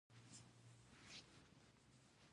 ښه نوم د زر اعلانونو ارزښت لري.